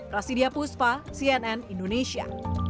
rasidia puspa cnn indonesia